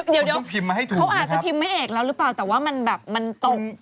เดี๋ยวเขาอาจจะพิมพ์ไม้เอกแล้วหรือเปล่าแต่ว่ามันแบบมันตก